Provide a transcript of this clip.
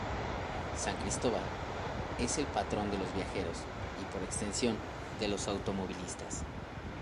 San Cristóbal es el patrón de los viajeros y, por extensión, de los automovilistas.